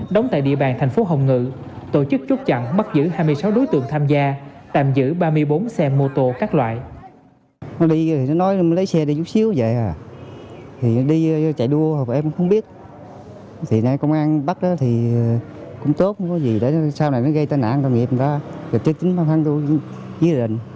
đóng tại địa bàn thành phố hồng ngự tổ chức chốt chặn bắt giữ hai mươi sáu đối tượng tham gia tạm giữ ba mươi bốn xe mô tô các loại